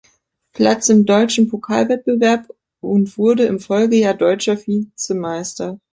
Platz im Deutschen Pokalwettbewerb und wurde im Folgejahr Deutscher Vizemeister.